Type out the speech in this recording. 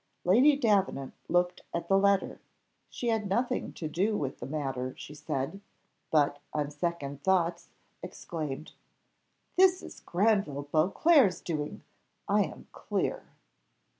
Lady Davenant looked at the letter. She had nothing to do with the matter, she said; but, on second thoughts, exclaimed, "This is Granville Beauclerc's doing, I am clear!"